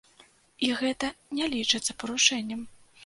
І гэта не лічыцца парушэннем.